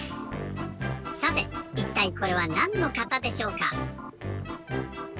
さていったいこれはなんの型でしょうか？